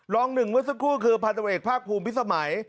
รองหนึ่งเมื่อสักครู่คือพันธบทเอกภาคภูมิพิสมัย